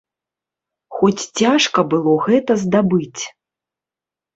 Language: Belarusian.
Хоць цяжка было гэта здабыць.